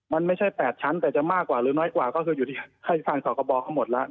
มันไม่ใช่๘ชั้นแต่จะมากกว่าหรือน้อยกว่าก็คืออยู่ที่ให้ทางสกบเขาหมดแล้ว